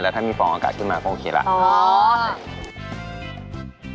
ถ้ามีฟองอากาศขึ้นมาก็โอเคแล้ว